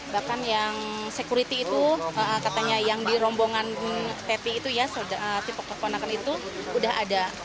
bahkan yang security itu katanya yang di rombongan tepi itu ya tipe keponakan itu udah ada